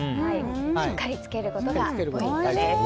しっかりつけることがポイントです。